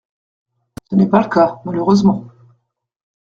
Ce n’est pas le cas, malheureusement.